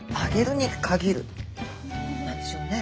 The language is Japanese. なんでしょうね。